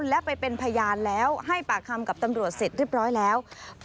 และไปเป็นพยานแล้วให้ปากคำกับตำรวจเสร็จเรียบร้อยแล้ว